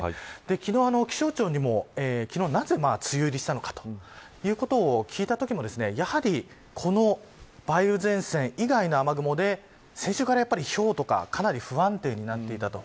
昨日、気象庁にもなぜ梅雨入りしたのかということを聞いたときもやはり、この梅雨前線以外の雨雲で先週からひょうとかかなり不安定になっていたと。